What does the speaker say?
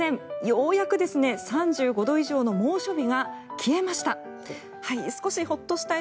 ようやく、３５度以上の猛暑日が消えました。